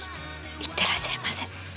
いってらっしゃいませ。